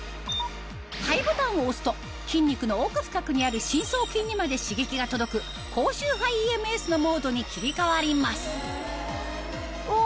ＨＩＧＨボタンを押すと筋肉の奥深くにある深層筋にまで刺激が届く高周波ＥＭＳのモードに切り替わりますお！